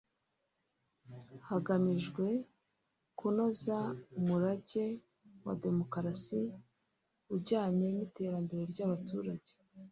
hagamijwe kunoza umurage wa Demokarasi ujyanye n’iterambere ry’abaturage